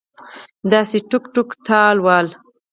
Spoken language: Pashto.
داسې ټوک ټوک تال ول